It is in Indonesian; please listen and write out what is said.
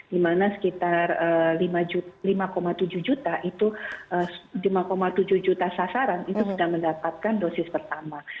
di mana sekitar lima tujuh juta sasaran itu sudah mendapatkan dosis pertama